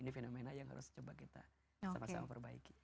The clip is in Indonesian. ini fenomena yang harus kita coba sama sama perbaiki